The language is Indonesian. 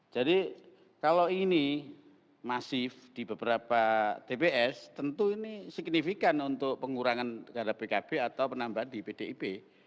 jadi kalau ini masif di beberapa tps tentu ini signifikan untuk pengurangan dari pkb atau penambahan di pdip